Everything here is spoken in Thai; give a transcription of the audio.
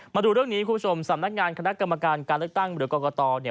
มาดูเรื่องนี้คุณผู้ชมสำนักงานคณะกรรมการการเลือกตั้งหรือกรกตเนี่ย